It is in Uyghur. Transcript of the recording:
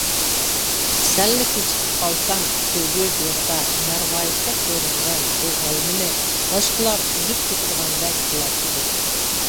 سەللا كېچىكىپ قالسام سۆيگۈ بېغىدا، مەرۋايىتتەك كۆرۈنگەن بۇ ئالمىنى باشقىلا ئۈزۈپ كېتىدىغاندەك قىلاتتى.